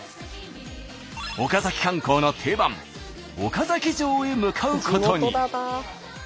岡崎観光の定番岡崎城へ向かうことに。